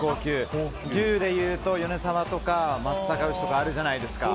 牛でいうと、米沢とか松阪牛とかあるじゃないですか。